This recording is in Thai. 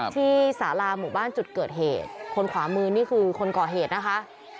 สาราหมู่บ้านจุดเกิดเหตุคนขวามือนี่คือคนก่อเหตุนะคะ